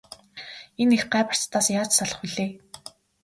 Энэ их гай барцдаас яаж салах билээ?